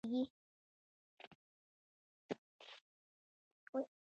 عدالت په کار کې څنګه پلی کیږي؟